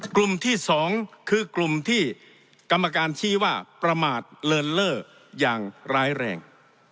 กลุ่มที่๒คือกลุ่มที่กรรมการชี้ว่าประมาทเลินเล่ออย่างร้ายแรง